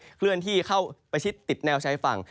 ก็ค่อยเคลื่อนที่เข้าไปชิดติดแนวใช้ฝั่ง